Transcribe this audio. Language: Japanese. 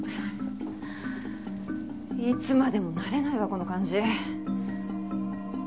いつまでも慣れないわこの感じ。